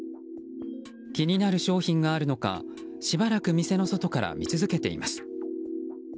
気になる商品があるのかしばらく店の外から見続けています。